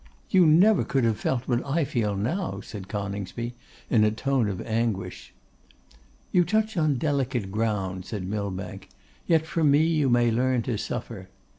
'You never could have felt what I feel now,' said Coningsby, in a tone of anguish. 'You touch on delicate ground,' said Millbank; 'yet from me you may learn to suffer.